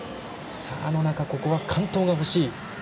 野中、ここは完登が欲しい。